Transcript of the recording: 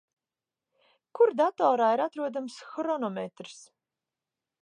Kur datorā ir atrodams hronometrs?